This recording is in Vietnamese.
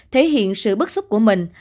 thể hiện sự bất xúc của mình